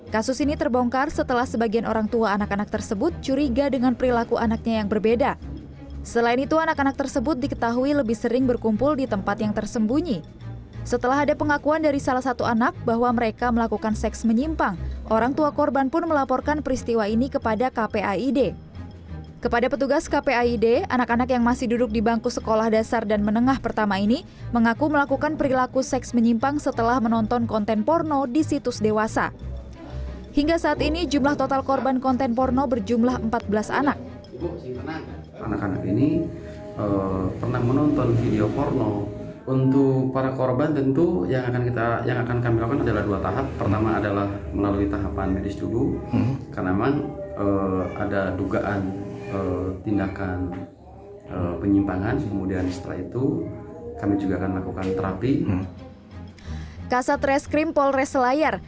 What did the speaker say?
kasat reskrim pol reselayar